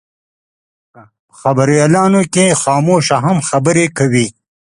په خبریالانو کې خاموشه هم خبرې کوي.